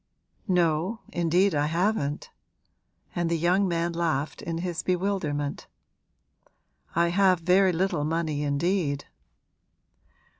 'No, indeed I haven't!' And the young man laughed in his bewilderment. 'I have very little money indeed.'